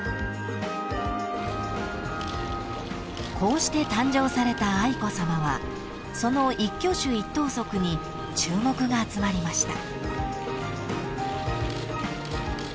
［こうして誕生された愛子さまはその一挙手一投足に注目が集まりました］